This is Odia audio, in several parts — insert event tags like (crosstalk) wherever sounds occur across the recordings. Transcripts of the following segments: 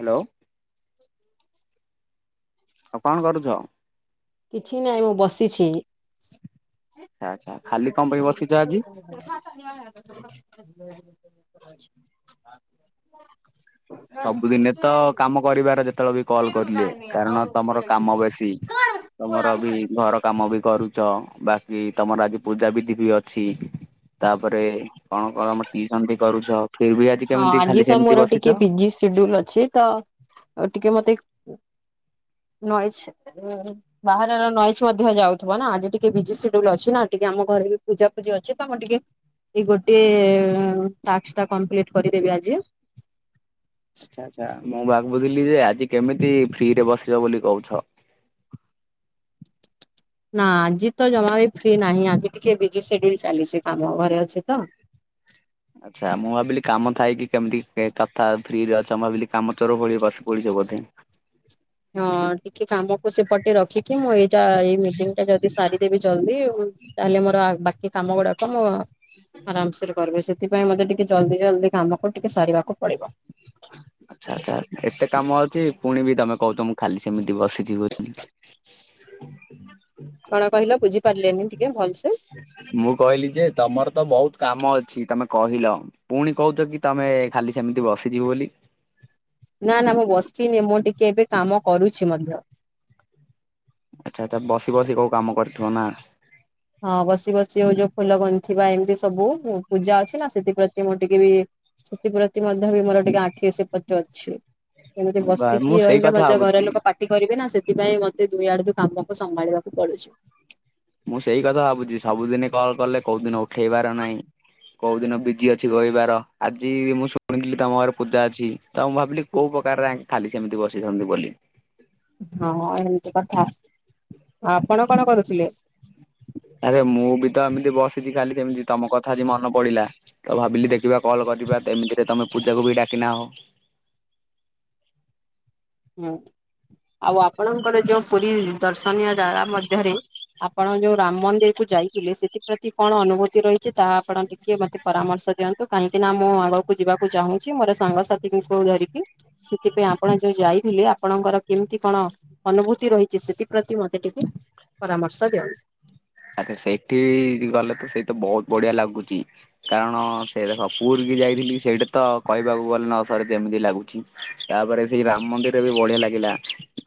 ହାଲୋ। ଆଉ କଣ କରୁଛ? କିଛି ନାହିଁ ମୁଁ ବସିଛି। ଆଚ୍ଛା ଖାଲି କଣ ପାଇଁ ବସିଛ ଆଜି? ହ (unintelligible) (inaudible) ସବୁଦିନେ ତ କାମ କରିବାର ଯେତେବେଳେ ବି କଲ କରିଲି କାରଣ ତମର କାମ ବେଶୀ। ତମର ବି ଘର କାମ ବି କରୁ ଚ ବାକି ତମର ଆଜି ପୂଜାବିଧି ବି ଅଛି ତାପରେ କଁ (unintelligible) ଟିସନ ବି କରୁଛ ଫିର ବି ଆଜି କେମିତି ଖାଲି ସେମିତି ବସିଛ? ସେଡୁଲ ଅଛି ତ ଟିକେ ମତେ ନଏଜ ବାହାରର ନଏଜ୍ ମଧ୍ୟ ଯାଉଥିବ ନା ଆଜି ଟିକେ ବିଜି ସେଡି୍ୟୁଲ ଅଛି ନା ଟିକେ ଆମ ଘରେ ବି ପୂଜାପୂଜି ଅଛି ତ ମୁଁ ଟିକିଏ। ଏଇ ଗୋଟିଏ ଟାସ୍କ ଟା କମ୍ପ୍ଲିଟ କରିଦେବି ଆଜି। ଆଚ୍ଛା ଆଚ୍ଛା ମୁଁ ଭାବୁଥିଲି ଯେ ଆଜି କେମିତି ଫ୍ରି ରେ ବସିିବ ବୋଲି କହୁଛ। ନା ଆଜି ତ ଜମା ବି ଫ୍ରି ନାହିଁ ଆଜି ଟିକେ ବିଜି ସେଡ୍ୟୁଲ ଚାଲିଛି କାମ ଘରେ ଅଛି ତ। ଆଚ୍ଛା ମୁଁ ଭାବିଲି କାମ ଥାଇକି କେମିତି କଥା ଫ୍ରିରେ ଅଛ ମୁଁ ଭାବିଲି କାମ ଚୋର ଭଳି ବସି ପଡିଛ ବୋଧେ। ହଁ ଟିକେ କାମକୁ ସେପଟେ ରଖିକି ମୁଁ ଏଇଟା ଏଇ ମିଟିଂ ଟା ଯଦି ସାରିଦେବି ଜଲ୍ଦି ତାହେଲେ ମୋର ବାକି କାମ ଗୁଡାକ ମୁଁ ଆରାମସରେ କରିବେ ସେଥିପାଇଁ ମତେ ଟିକେ ଜଲ୍ଦି ଜଲଦି କାମକୁ ଟିକେ ସାରିବାକୁ ପଡିବ। ଆଛା ଆଚ୍ଛା ଏତେ କାମ ଅଛି ପୁଣି ବି ତମେ କହୁଛ ମୁଁ ଖାଲି ସେମିତି ବସିଛି ବୋଲି। କଣ କହିଲ ବୁଝି ପାରିଲିନି ଟିକେ ଭଲସେ। ମୁଁ କହିଲି ଯେ ତମର ତ ବହୁତ କାମ ଅଛି ତମେ କହିଲ। ପୁଣି କହୁଛ କି ତମେ ଖାଲି ସେମିତି ବସିଚି ବୋଲି। ନା ନା ମୁଁ ବସିନି ମୁଁ ଟିକେ ଏବେ କାମ କରୁଛି ମଧ୍ୟ। ଆଚ୍ଛା ଆଚ୍ଛା ବସି ବସି କୋଉ କାମ କରିଥିବ ନା। ହଁ ବସି ବସି ଆଉ ଯୋଉ ଫୁଲ ଗୁନ୍ଥିବା ଏମିତି ସବୁ ପୂଜା ଅଛି ନା ସେଥିପ୍ରତି ମୁଁ ଟିକେ ବି ସେଥିପ୍ରତି ମଧ୍ୟ ବି ମୋର ଟିକେ ଆଖି ସେପତେ ଅଛି। ଏମିତି ବା ମୁଁ ବସିକି ସେଇ ରହିଲେ କଥା ମଜ ଘର ଭାବୁଛି। ଲୋକ ପାଟ ପାଟି କରିବେ ନା ସେଥିପାଇଁ ମତେ ଦୁଇ ଆଡେ କାମକୁ ସମ୍ଭାଳିବାକୁ ପଡୁଛି। ମୁଁ ସେଇ କଥା ଭାବୁଛି ସବୁଦିନି କଲ୍ କଲେ କୋଉଦିନ ଉଠେଇବାର ନାହିଁ। କୋଉ ଦିନ ବିଜି ଅଛି ରହିବାର ଆଜି ମୁଁ ଶୁଣିଥିଲି ତମ ଘରେ ପୂଜା ଅଛି। ତ ମୁଁ ଭାବିଲି କୋଉ ପ୍ରକାର ଖାଲି ସେମିତି ବସିଛନ୍ତି ବୋଲି। ହଁ ଏମିତି କଥା ଆପଣ କଣ କରୁଥିଲେ? ଆରେ ମୁଁ ବି ତ ଏମିତି ବସିଛି ଖାଲି ସେମିତି ତମ କଥା ଆଜି ମନ ପଡିଲା। ତ ଭାବିଲି ଦେଖିବା କଲ୍ କରିବା ଏମିତିରେ ତମେ ପୂଜାକୁ ବି ଡାକିନା ହ। ହୁଁ ଆଉ ଆପଣଙ୍କର ଯୋଉ ପୁରୀ ଦର୍ଶନୀୟ ଜାଗା ମଧ୍ୟରେ ଆପଣ ଯୋଉ ରାମ ମନ୍ଦିର କୁ ଯାଇଥିଲେ ସେଥିପ୍ରତି କଣ ଅନୁଭୂତି ରହିଛି ତାହା ଆପଣ ଟି ଟିକେ ମତେ ପରାମର୍ଶ ଦିଅନ୍ତୁ କାହିଁକି ନା ମୁଁ ଆଗକୁ ଯିବାକୁ ଚାହୁଁଛି ମୋର ସାଙ୍ଗସାଥିଙ୍କୁ ଧରିକି। ସେଥିପାଇଁ ଆପଣ ଯୋଉ ଯାଇଥିଲେ ଆପଣଙ୍କର କେମିତି କଣ ଅନୁଭୂତି ରହିଛି ସେ ଥିପ୍ରତି ମୋତେ ଟିକେ ପରାମର୍ଶ ଦିଅନ୍ତୁ। ଆଚ୍ଛା ସେଇଠି ଗଲେ ତ ସେଇ ତ ବହୁତ ବଢିଆ ଲାଗୁଚି। କାରଣ ସେ ସ ପୁର କି ଯାଇଥିଲି ସେଇଟା ତ କହିବାକୁ ଗଲେ ନା ସରେ କେମିତି ଲାଗୁଛି? ତାପରେ ସେଇ ରାମ ମନ୍ଦିର ବି ବଢିଆ ଲାଗିଲା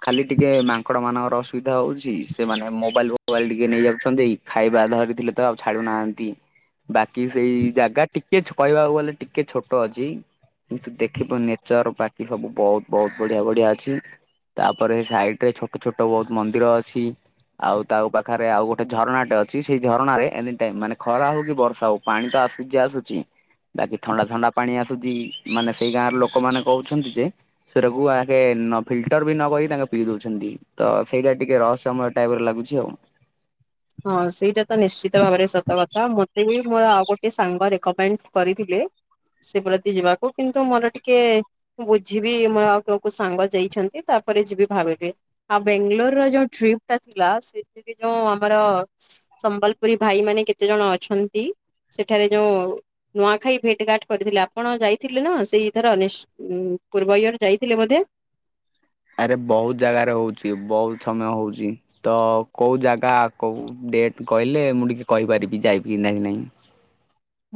ଖାଲି ଟିକେ ମାଙ୍କଡ ମାନଙ୍କର ଅସୁବିଧା ହଉଛି ସେମାନେ ମୋବାଇଲ ମୋବାଇଲ୍ ଟିକେ ନେଇ ଯାଉଛନ୍ତି ଖାଇବା ଧରିଥିଲେ ତ ଆଉ ଛାଡୁନାହାନ୍ତି। ବାକି ସେଇ ଜାଗା ଟିକେ କହିବାକୁ ଗଲେ ଟିକେ ଛୋଟ ଅଛି। କିନ୍ତୁ ଦେଖିବୁ ନେଚର ବାକି ସବୁ ବହୁତ ବହୁତ ବଢିଆ ବଢିଆ ଅଛି। ତାପରେ ସାଇଟ ରେ ଛୋଟ ଛୋଟ ବହୁତ ମନ୍ଦିର ଅଛି ଆଉ ତାଉ ପାଖରେ ଆଉ ଗୋଟେ ଝରଣାଟେ ଅଛି ଝରଣାରେ ଏନି ଟାଇମ୍ ମାନେ ଖରା ହଉ କି ବର୍ଷା ହଉ ପାଣି ତ ଆସୁଚି ଆସୁଚି ବାକି ଥଣ୍ଡା ଥଣ୍ଡା ପାଣି ଆସୁଛି ମାନେ ସେଇ ଗାଁର ଲୋକମାନେ କହୁଛନ୍ତି ଯେ ସେରାକୁ ଆହେ ନଫିଲଟର ବି ନକହିକି ତାଙ୍କେ ପିଇ ଦେଉଛନ୍ତି। ତ ସେଇଟା ଟିକେ ରହସ୍ୟମୟ ଟାଇପର ଲାଗୁଛି ଆଉ। ହଁ ସେଇଟା ତ ନିଶ୍ଚିତ ଭାବରେ ସତ କଥା ମତେ ବି ମୋର ଆଉ ଗୋଟେ ସାଙ୍ଗ ରେକମେଣ୍ଡ କରିଥିଲେ। ସେ ପ୍ରତି ଯିବାକୁ କିନ୍ତୁ ମୋର ଟିକେ ବୁଝିବି ମୁଁ ଆଉ କୋଉ କୋଉ ସାଙ୍ଗ ଯାଇଛନ୍ତି ତାପରେ ଯିବି ଭାବିବି। ଆଉ ବେଙ୍ଗଲୋର ର ଯୋଉ ଟ୍ରିପ୍ ଟା ଥିଲା ସେଥିରେ ଯୋଉ ଆମର ସମ୍ବଲପୁରୀ ଭାଇ ମାନେ କେତେ ଜଣ ଅଛନ୍ତି ସେଠାରେ ଯୋଉ ନୂଆଖାଇ ଭେଟ ଘାଟ କରିଥିଲେ ଆପଣ ଯାଇଥିଲେ ନା ସେଇଥର ଉଁ ପୂର୍ବ ଇୟର ଯାଇଥିଲେ ବୋଧେ? ଆରେ ବହୁତ ଜାଗାରେ ହଉଛି, ବହୁତ ସମୟ ହଉଛି। ତ କୋଉ ଜାଗା କୋଉ ଡେଟ୍ କହିଲେ ମୁଁ ଟିକେ କହିପାରିବି ଯାଇବି ନା ନା ନହିଁ।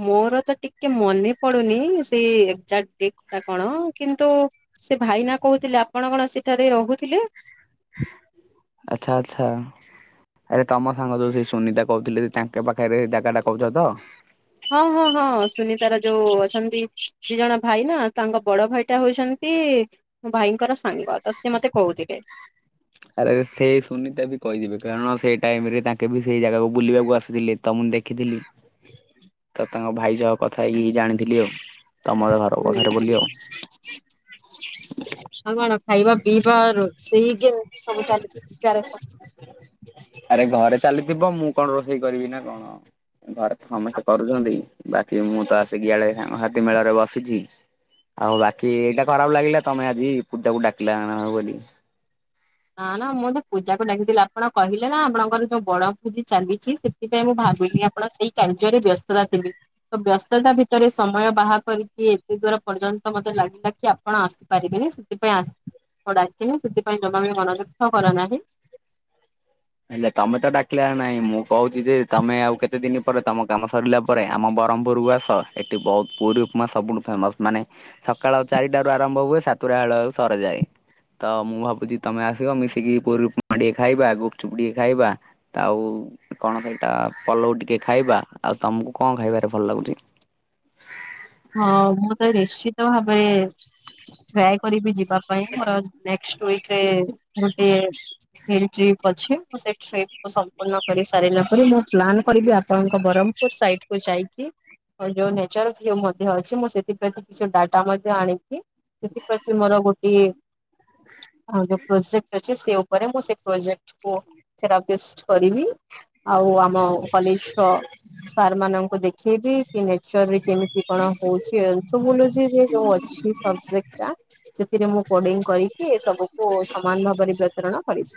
ମୋର ତ ଟିକେ ମନେ ପଡୁନି ସେଇ ଏକ୍ଜାକ୍ଟ ଡେଟ ଟା କଣ କିନ୍ତୁ ସେ ଭାଇନା କହୁଥିଲେ ଆପଣ କଣ ସେଠାରେ ରହୁଥିଲେ। ଆଚ୍ଛା ଆଛା ଆରେ ତମ ସାଙ୍ଗ ଯୋଉ ସେ ସୁନିତା କହୁଥିଲେ ତାଙ୍କ ପାଖରେ ଜାଗା ଟା କହୁଛ ତ ହଁ ହଁ ହଁ ସୁନୀତାର ଯୋଉ ଅଛନ୍ତି ଦି ଜଣ ଭାଇ ନା ତାଙ୍କ ବଡ ଭାଇଟା ହଉଛନ୍ତି ମୋ ଭାଇଙ୍କର ସାଙ୍ଗ ତ ସେ ମୋତେ କହୁଥିଲେ ଆରେ ସେଇ ସୁନିତା ବି କହିଯିବେ କାରଣ ସେଇ ଟାଇମ ରେ ତାଙ୍କେ ବି ସେଇ ଜାଗାକୁ ବୁଲିବାକୁ ଆସିଥିଲେ ତ ମୁଁ ଦେଖିଥିଲି ତ ତାଙ୍କ ଭାଇ ସହ କଥା ହେଇକି ଜାଣିଥିଲି ଆଉ ତମର ଘର ହୁଁ ପାଖରେ ବୋଲି ଆଉ ଆଉ କଣ ଖାଇବା ପିଇବା ରୋଷେଇ କିଏ ସବୁ ଚାଲିଛି ପ୍ରିପେୟାରସନ୍ (unintelligible) ଆରେ ଘରେ ଚାଲିଥିବ ମୁଁ କଣ ରୋଷେଇ କରିବି ନା କଣ ଘରେ ତ ସମସ୍ତେ କରୁଛନ୍ତି ବାକି ମୁଁ ତ ଆସିକି ଇଆଡେ ସାଙ୍ଗସାଥି ମେଳ ରେ ବସିଛି ଆଉ ବାକି ଏଇଟା ଖରାପ ଲାଗିଲା ତମେ ଆଜି ପୂଜାକୁ ଡାକିଲା ବୋଲି ନା ନା ମୁଁ ତ ପୂଜାକୁ ଡାକିଥିଲି ଆପଣ କହିଲେ ନା ଆପଣଙ୍କର ଯୋଉ ବଣ ଭୋଜି ଚାଲିଛି ସେ - ସେଥିପାଇଁ ମୁଁ ଭାବିଲି ଆପଣ ସେଇ କାର୍ଯ୍ୟରେ ବ୍ୟସ୍ତତା ଥିବେ ତ ବ୍ୟସ୍ତତା ଭିତରେ ସମୟ ବାହାର କରିକି ଏତେ ଦୂର ପର୍ଯ୍ୟନ୍ତ ମତେ ଲାଗିଲା କି ଆପଣ ଆସି ପାରିବେନି ସେଥିପାଇଁ ଆସ ମୁଁ ଡାକିନି ସେଥିପାଇଁ ଜମା ବି ମନଦୁଃଖ କର ନାହିଁ ହେଲେ ତମେ ତ ଡାକିଲା ର ନାଇଁ ମୁଁ କହୁଛି ଯେ ତମେ ଆଉ କେତେ ଦିନ ପରେ ତମ କାମ ସରିଲା ଥରେ ଆମ ବ୍ରହ୍ମପୁର ଆସ ଏଠି ବହୁତ ପୁରୀ ଉପମା ସବୁଠୁ ଫେମସ ମାନେ ସକାଳ ଚାରିଟାରୁ ଆରମ୍ଭ ହୁଏ ସାତଟା ବେଳ ଆଉ ସରେଯାଇ ତ ମୁଁ ଭାବୁଛି ତମେ ଆସିବ ମିଶିକି ପୁରୀ ଉପମା ଟିକେ ଖାଇବା ଗୁପଚୁପୁ ଟିକେ ଖାଇବା ଆଉ କଣ ସେଇଟା ପଲଉ ଟିକେ ଖାଇବା ଆଉ ତମକୁ କଣ ଖାଇବାରେ ଭଲ ଲାଗୁଛି ହଁ ମୁଁ ତ ନିଶ୍ଚିତ ଭାବରେ ଟ୍ରାଏ କରିବି ଯିବା ପାଇଁ ମୋର ନେକ୍ସଟ୍ ୱିକରେ ଗୋଟେ ହେଲ୍ ଟ୍ରିପ୍ ଅଛି ମୁଁ ସେ ଟ୍ରିପ କୁ ସମ୍ପୂର୍ଣ୍ଣ କରି ସାରିଲା ପରେ ମୁଁ ପ୍ଲାନ୍ କରିବି ଆପଣଙ୍କ ବରଂ ସାାଇଟ୍ କୁ ଯାଇକି ଆଉ ଯୋଉ ନେଚର ଅଛି ହ୍ୟୁମାନ ଅଛି ମୁଁ ସେଥିପ୍ରତି କିଛି ଡାଟା ମଧ୍ୟ ଆଣିଛି ସେଥିପ୍ରତି ମୋର ଗୋଟିଏ (inaudible) ଆଉ ଯୋଉ ପ୍ରୋଜେକ୍ଟ ଅଛି ସେ ଉପରେ ମୁଁ ସେ ପ୍ରୋଜେକ୍ଟ କୁ ସେରାପିଷ୍ଟ କରିବି ଆଉ ଆମ କଲେଜର ସାର୍ ମାନଙ୍କୁ ଦେଖେଇବି କି ନେଚରରେ କେମିତି କଣ ହଉଛି ଏନ୍ଥ୍ରୋମୋଲୋଜି ରେ ଯୋଉ ଅଛି ସବଜେକ୍ଟ ଟା ସେଥିରେ ମୁଁ କୋଡିଙ୍ଗ କରିକି ଏ ସବୁକୁ ସମାନ ଭାବରେ ବିତରଣ କରିବି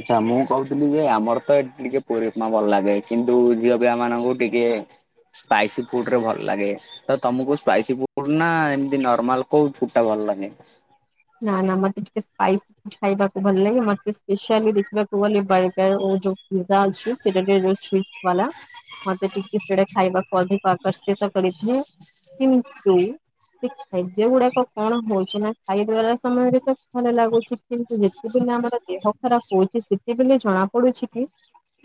ଆଛା ମୁଁ କହୁଥିଲି ଯେ ଆମର ତ ଏଠି ଟିକେ ପୁରୀ ଉପମା ଭଲ ଲାଗେ କିନ୍ତୁ ଯିବାପାଇଁ ଆମମାନଙ୍କୁ ଟିକେ ସ୍ପାଇସି ଫୁଡରେ ଭଲ ଲାଗେ ତ ତମକୁ ସ୍ପାଇସି ଫୁଡ ନା ଏମିତି ନର୍ମାଲ କୋଉ ଫୁଡ ଟା ଭଲ ଲାଗେ ନା ନା ମୋତେ ଟିକେ ସ୍ପାଇସି ଫୁଡ୍ ଖାଇବାକୁ ଭଲ ଲାଗେ ମୋତେ କାଲି ଦେଖିବାକୁ ଗଲି ବାଇ କାଇଁ ହଉଛୁ ନିଦା ଅଛି ସେଟା ଟିକେ ରେଷ୍ଟ୍ ସ୍ୱିଚି ବାଲା ମତେ ଟିକେ ସେଟା ଖାଇବାକୁ ଅଧିକ ଆକର୍ଷିତ କରିଥାଏ କିନ୍ତୁ ସେ ଖାଦ୍ୟ ଗୁଡାକ କଣ ହଉଛି ନା ଖାଇବାର ସମୟରେ ତ ଭଲ ଲାଗୁଛି କିନ୍ତୁ ଯେତେବେଳେ ଆମର ଦେହ ଖରାପ ହଉଛି ସେ - ଏବେ ଜଣାପଡୁଛି କି?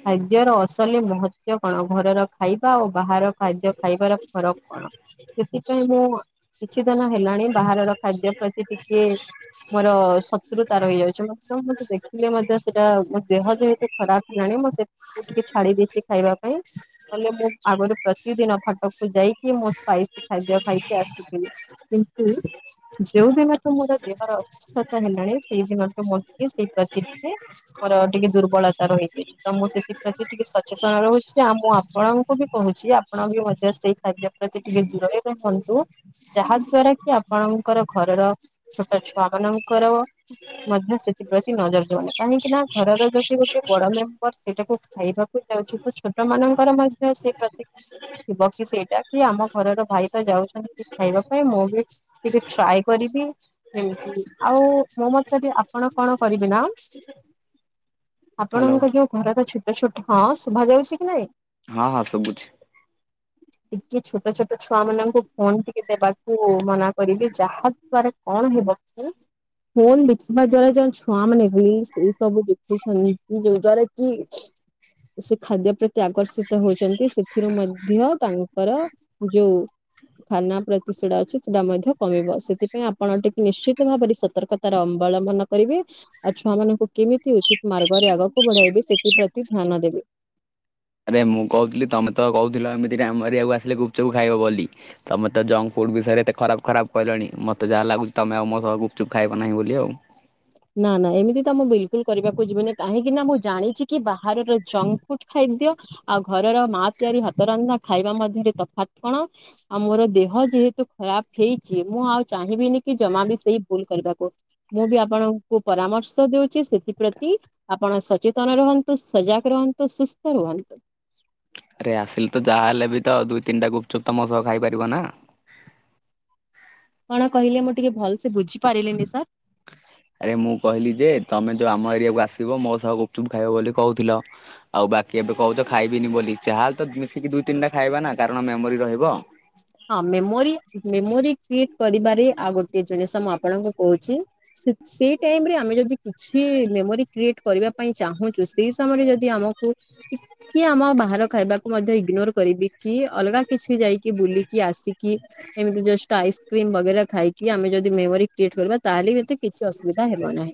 ଖାଦ୍ୟର ଅସଲି ମହତ୍ୱ କଣ ଘରର ଖାଇବା ଓ ବାହାର ଖାଦ୍ୟ ଖାଇବାର ଫରକ କଣ? ସେଥିପାଇଁ ମୁଁ କିଛି ଦିନ ହେଲାଣି ବାହାରର ଖାଦ୍ୟ ପ୍ରତି ଇଏ ମୋର ଶତ୍ରୁ ତା ରହିଯାଉଛି ନା ମତେ ଦେଖିଲେ ମଧ୍ୟ ସେଟା ମୋ ଦେହ ଯେହେତୁ ଖରାପ ହେଲାଣି ମୁଁ ସେ ମୁଁ ଟିକେ ଛାଡି ଦେଇଛି ସେ ଖାଇବା ପାଇଁ ହେଲେ ମୁଁ ଆଗରୁ ପ୍ରତିଦିନ କଟକକୁ ଯାଇକି ମୋ ସ୍ପାଇସି ଖାଦ୍ୟ ଖାଇକି ଆସୁଥିଲି କିନ୍ତୁ ଯୋଉ ଦିନ ତ ମୋର ଦେହର ଅସୁସ୍ଥତା ହେଲାଣି ସେଇଦିନଠୁ ମୋର ଟିକେ ସେଇ ପ୍ରତି ଟିକେ ମୋର ଟିକେ ଦୁର୍ବଳତା ରହିଯାଇଛି ତ ମୁଁ ସେଥିପ୍ରତି ଟିକେ ସଚେତନ ରହୁଛି ଆଉ ମୁଁ ଆ ଆପଣଙ୍କୁ ବି କହୁଛି ଆପଣ ବି ମଧ୍ୟ ସେଇ ଖାଦ୍ୟ ପ୍ରତି ଟିକେ ଦୂରରେ ରୁହନ୍ତୁ। ଯାହା ଦ୍ଵାରା କି ଆପଣଙ୍କର ଘରର ଛୋଟ ଛୁଆ ମାନଙ୍କର ମଧ୍ୟ ସେଥିପ୍ରତି ନଜର ଯିବନି କାହିଁକି ନା ଘରର ଯଦି ଗୋଟେ ବଡ ମେମ୍ବର ସେଟାକୁ ଖାଇବାକୁ ଯାଉଛି ତ ଛୋଟ ମାନଙ୍କର ମଧ୍ୟ ସେଇ ପ୍ରତି ଥିବ କି ସେଇଟା କି ଆମ ଘରର ଭାଇ ତ ଯାଉଛନ୍ତି ଖାଇବା ପାଇଁ ମୁଁ ବି ଟିକେ ଟ୍ରାଏ କରିବି। ଏମିତି ଆଉ ମୋ ମତରେ ଆପଣ କଣ କରିବେ ନା ହ୍ୟାଲୋ ଆପଣଙ୍କ ଯୋଉ ଘର ତ ଛୋଟ ଛୋଟ ହଁ ଶୁଭା ଯାଉଛି କି ନାଇଁ? ହଁ ହଁ ଶୁବୁଛି। ଟିକେ ଛୋଟ ଛୋଟ ଛୁଆ ମାନଙ୍କୁ ଫୋନ ଟିକେ ଦେବାକୁ ମନା କରିବେ ଯାହା ଦ୍ଵାରା କଣ ହବ କି? ଫୋନ୍ ଦେଖିବା ଦ୍ଵାରା ଯେଉଁ ଛୁଆ ମାନେ ବି ସେଇ ସବୁ ଦେଖୁଛନ୍ତି ଯୋଉ ଦ୍ଵାରା କି ସେ ଖାଦ୍ୟ ପ୍ରତି ଆକର୍ଷିତ ହଉଛନ୍ତି ସେଥିରୁ ମଧ୍ୟ ତାଙ୍କର ଯୋଉ ଖାନା ପ୍ରତି ସେଟା ଅଛି ସେଟା ମଧ୍ୟ କମିବ। ସେଥିପାଇଁ ଆପ ଆପଣ ଟିକେ ନିଶ୍ଚିତ ଭାବରେ ସତର୍କତାର ଅବଲମ୍ବନ କରିବେ। ଆଉ ଛୁଆ ମାନଙ୍କୁ କେମିତି ଉଚିତ ମାର୍ଗରେ ଆଗକୁ ବଢାଇବେ ସେଥିପ୍ରତି ଧ୍ୟାନ ଦେବେ। ଆରେ ମୁଁ କହୁଥିଲି ତମେ ତ କହୁଥିଲ ଏମିତି ରେ ଆମେ ଏରିଆକୁ ଆସିଲେ ଗୁପଚୁପ ଖାଇବ ବୋଲି? ତମେ ତ ଜଙ୍କ ଫୁଡ୍ ବିଷୟରେ ଏତେ ଖରାପ ଖରାପ କହିଲଣି ମତେ ଯାହା ଲାଗୁଛି ତମେ ଆଉ ମୋ ସହ ଗପୁଚୁପ ଖାଇବ ନାହିଁ ବୋଲି ଆଉ। ନା ନା ଏମିତି ତ ମୁଁ ବିଲକୁଲ କରିବାକୁ ଯିବିନି କାହିଁକି ନା ମୁଁ ଜାଣିଛି କି ବାହାରର ଜଙ୍କ ଫୁଡ ଖାଦ୍ୟ ଆଉ ଘରର ମା ତିଆରି ହାତ ରନ୍ଧା ଖାଇବା ମଧ୍ୟରେ ତଫାତ୍ କଣ? ଆଉ ମୋର ଦେହ ଯେହେତୁ ଖରାପ ହେଇଛି ମୁଁ ଆଉ ଚାହିଁବିନି କି ଜମା ବି ସେଇ ଭୁଲ କରିବାକୁ। ମୁଁ ବି ଆପଣଙ୍କୁ ପରାମର୍ଶ ଦଉଛି ସେଥିପ୍ରତି ଆପଣ ସଚେତନ ରୁହନ୍ତୁ, ସଜାଗ ରୁହନ୍ତୁ, ସୁସ୍ଥ ରୁହନ୍ତୁ। ଆରେ ଆସିଲେ ତ ଯାହା ହେଲେ ବି ତ ଦୁଇ, ତିନିଟା ଗୁପଚୁପ୍ ତ ମ ସହ ଖାଇପାରିବ ନା? କଣ କହିଲେ ମୁଁ ଟିକେ ଭଲସେ ବୁଝିପାରିଲିନି ସାର୍? ଆରେ ମୁଁ କହିଲି ଯେ ତମେ ଯୋଉ ଆମ ଏରିଆକୁ ଆସିବ ମୋ ସହ ଗୁପଚୁପ୍ ଖାଇବ ବୋଲି କହୁଥିଲ। ଆଉ ବାକି ଏବେ କହୁଛ ଖାଇବିନି ବୋଲି ଚାହାେଲେ ତ ମିଶିକି ଦୁଇ, ତିନିଟା ଖାଇବା ନା କାରଣ ମେମୋରି ରହିବ। ହଁ ମେମୋରି ମେମୋରି କ୍ରିଏଟ କରିବାରେ ଆଉ ଗୋଟେ ଜିନିଷ ମୁଁ ଆପଣଙ୍କୁ କହୁଛି। ସେ ସେଇ ଟାଇମ ରେ ଆମେ ଯଦି କିଛି ମେମୋରି କ୍ରିଏଟ କରିବା ପାଇଁ ଚାହୁଁଛୁ। ସେଇ ସମୟରେ ଯଦି ଆମକୁ ଟିକଏ ଆମ ବାହାର ଖାଇବାକୁ ମଧ୍ୟ ଇଗ୍ନୋର କରିବି। କି ଅଲଗା କିଛି ଯାଇକି ବୁଲିକି ଆସିକି ଏମିତି ଜଷ୍ଟ ଆଇସ୍କ୍ରିମ ବଗେରା ଖାଇକି ଆମେ ଯଦି ମେମୋରି କ୍ରିଏଟ କରିବା ତାହେଲେ ବି ଏତେ କିଛି ଅସୁବିଧା ହେବ ନାହିଁ।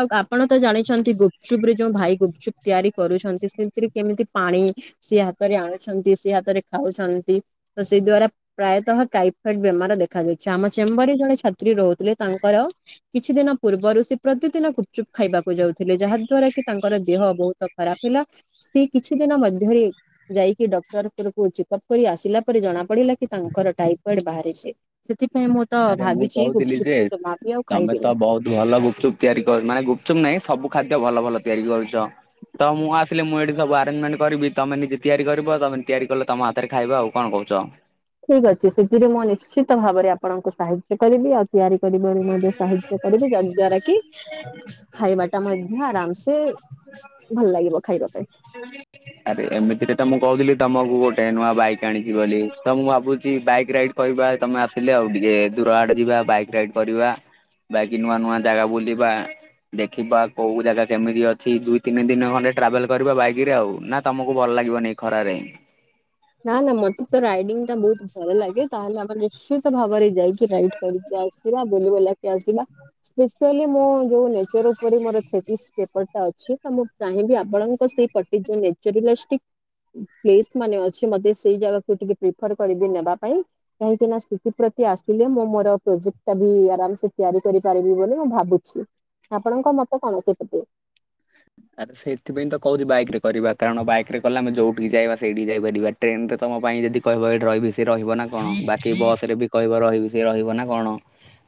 ଆଉ ଆପଣ ତ ଜାଣିଛନ୍ତି ଗୁପଚୁପ ରେ ଯୋଉ ଭାଇ ଗୁପଚୁପ ତିଆରି କରୁଛନ୍ତି ସେଥିରେ କେମିତି ପାଣି ସେ ହାତରେ ଆଣୁଛନ୍ତି ସେ ହାତରେ ଖାଉଛନ୍ତି ତ ସେଇ ଦ୍ଵାରା ପ୍ରାୟତଃ ଟାଇଫଏଡ ବେମାର ଦେଖାଯାଉଛି। ଆମ ଚେମ୍ବର ରେ ଜଣେ ଛାତ୍ରୀ ରହୁଥିଲେ ତାଙ୍କର କିଛି ଦିନ ପୂର୍ବରୁ ସେ ପ୍ରତିଦିନ ଗୁ ଚୁପ୍ ଖାଇବାକୁ ଯାଉଥିଲେ ଯାହା ଦ୍ଵାରା କି ତାଙ୍କର ଦେହ ବହୁତ ଖରାପ ହେଲା। ସେ କିଛି ଦିନ ମଧ୍ୟରେ ଯାଇକି ଡକ୍ଟର କୁରୁକୁ ଚେକଅପ୍ କରି ଆସିଲା ପରେ ଜଣା ପଡିଲା। ତାଙ୍କର ଟାଇଫଏଡ ବାହାରିଛି ସେଥିପାଇଁ ମୁଁ ତ ଆରେ ମୁଁ ଭାବିଛି କହୁଥିଲି ଗୁପୁଚୁପ ଯେ କୁ ଜମା ବି ଆଉ ତମେ ତ ଖାଇବିନି। ବହୁତ ଭଲ ଗୁପୁଚୁପ ତିଆରି କରୁ ମାନେ ଗୁପଚୁପ୍ ନାହିଁ ସବୁ ଖାଦ୍ୟ ଭଲ ଭଲ ତିଆରି କରୁଛ। ତ ମୁଁ ଆସିଲି ମୁଁ ଏଠି ସୁ ଆରେଞ୍ଜମେଣ୍ଟ କରିବି ତମେ ନିଜେ ତିଆରି କରିବ ତମେ ତିଆରି କଲେ ତମ ହାତରେ ଖାଇବ ଆଉ କଣ କହୁଛ? ଠିକ୍ ଅଛି ସେଥିରେ ମୁଁ ନିଶ୍ଚିତ ଭାବରେ ଆପଣଙ୍କୁ ସାହାଯ୍ୟ କରିବି ଆଉ। ତିଆରି କରିବାରୁ ମଧ୍ୟ ସାହାଯ୍ୟ କରିବେ ଯା ଦ୍ଵାରା କି ଖାଇବା ଟା ମଧ୍ୟ ଆରାମସେ ଭଲ ଲାଗିବ ଖାଇବା ପାଇଁ। ଆରେ ଏମିତିରେ ତ ମୁଁ କହୁଥିଲି ତମକୁ ଗୋଟେ ନୂଆ ବାଇକ୍ ଆଣିଛି ବୋଲି ତ ମୁଁ ଭାବୁଛି ବାଇକ୍ ରାଇଡ କହିବା ତମେ ଆସିଲେ ଆଉ ଟିକେ ଦୂର ଆଡେ ଯିବା ବାଇକ ରାଇଡ କରିବା। ବାକି ନୂଆ ନୂଆ ଜାଗା ବୁଲିବା। ଦେଖିବା କୋଉ ଜାଗା କେମିତି ଅଛି ଦୁଇ, ତିନି ଦିନ ଖଣ୍ଡେ ଟ୍ରାଭେଲ କରିବା ବାଇକ ରେ ଆଉ ନା ତମକୁ ଭଲ ଲାଗିବନି। ଖରାରେ। ନା ନା ମୋତେ ତ ରାଇଡିଙ୍ଗ ଟା ବହୁତ ଭଲ ଲାଗେ। ତାହେଲେ ଆମେ ନିଶ୍ଚିତ ଭାବରେ ଯାଇ କି ରାଇଡ୍ କରିକି ଆସିବା। ବୁଲି ବୁଲା କି ଆସିବା। ସ୍ପେଶାଲି ମୋ ଯୋଉ ନେ ଚର ଉପରେ ମୋର ଛେତିଶ ପେପର୍ ଟା ଅଛି। ତ ମୁଁ ଚାହିଁବି ଆପଣଙ୍କ ସେଇ ପଟି ଯୋଉ ନେଚର ରିଲେଷ୍ଟିକ୍ ପ୍ଲିସ୍ ମାନେ ଅ ଛି ମୋତେ ସେଇ ଜାଗାକୁ ଟିକେ ପ୍ରିଫର୍ କରିବି ନେବା ପାଇଁ। କାହିଁକି ନା ସ୍ଥିତି ପ୍ରତି ଆସିଲେ ମୁଁ ମୋର ପ୍ରୋଜେକ୍ଟ ଟା ବି ଆରାମସେ ତିଆରି କରିପାରିବି ବୋଲି ମୁଁ ଭାବୁଛି। ଆପଣଙ୍କ ମତ କଣ ସେପତି? ଆରେ ସେଥିପାଇଁ ତ କହୁଚି ବାଇକ୍ ରେ କରିବା। କାରଣ ବାଇକ୍ ରେ କଲେ ଆମେ ଯୋଉଠିକି ଚାହିଁବା ସେଇଠିକି ଯାଇପାରିବା। ଟ୍ରେନ୍ ରେ ତୋମ ପାଇଁ ଯଦି କହିବ ଏଇଠି ରହିବି ସିଏ ରହିବ ନା କଣ? ବାକି ବସ୍ ରେ ବି କହିବ ରହିବି ସିଏ ରହିବ ନା କଣ?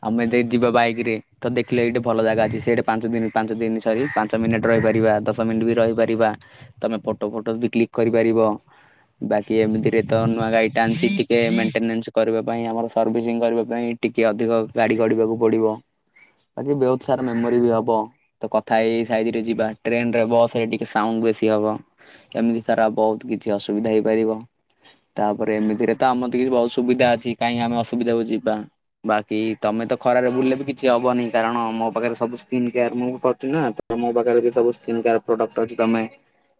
ଆମେ ଯେ ଯିବା ବାଇକ୍ ରେ ତ ଦେଖିଲେ ଏଇଠି ଭଲ ଜାଗା ଅଛି ସେଇଠି ପାଞ୍ଚ ଦିନ ପାଞ୍ଚ ଦିନ ସରି ପାଞ୍ଚ ମିନିଟ୍ ରହିପାରିବା ଦଶ ମିନିଟ୍ ବି ରହିପାରିବା। ତୋମେ ଫଟୋ ଫଟୋ ବି କ୍ଲିକ୍ କରିପାରିବ। ବାକି ଏମିତିରେ ତ ନୂଆ ଗାଡି ଟା ଆଣିଛି ଟିକେ ମେଣ୍ଟେନେନ୍ସ କରିବା ପାଇଁ, ଆମର ସର୍ଭିସିଂ କରିବା ପାଇଁ ଟିକେ ଅଧିକ ଗାଡ଼ି ଗଡିବାକୁ ପଡିବ। ବାକି ବେଉତୁ ସାରା ମେମୋରି ବି ହବ ତ କଥା ହେଇ ହେଇ ସାଇରି ଟିକେ ଯିବା, ଟ୍ରେନ୍ ରେ ବସ୍ ରେ ଟିକେ ସାଉଣ୍ଡ ବେଶୀ ହବ। ଏମିତି ସାରା ବହୁତ କିଛି ଅସୁବିଧା ହେଇପାରିବ। ତାପରେ ଏମିତିରେ ତ ଆମର ତ କିଛି ଅସୁବିଧା ଅଛି କାହିଁକି ଆମେ ଅସୁବିଧାକୁ ଯିବା। ବାକି ତୋମେ ତ ଖରାରେ ବୁଲିଲେ ବି କିଛି ହବନି। କାରଣ ମୋ ପାଖରେ ସବୁ ସ୍କିନ୍ କେୟାର୍ ମୁଁ ବି କରୁଛି ନା। ତ ମୋ ପାଖରେ ବି ସବୁ ପ୍ରଡକ୍ଟ ଅଛି ତୋମେ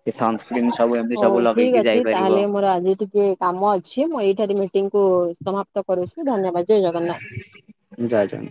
ସେ ସନସ୍କ୍ରିିନ୍ ସବୁ ଏମିତି ହଉ ସବୁ ଠିକ ଲଗେଇକି ଅଛି ଯାଇପାରିବ। ତାହେଲେ ମୋର ଆଜି ଟିକେ କାମ ଅଛି, ମୁଁ ଏଇଠାରେ ମିଟିଂ କୁ ସମାପ୍ତ କରୁଛି ଧନ୍ୟବାଦ। ଜୟ ଜଗନ୍ନାଥ। ଯା ଯା (inaudible)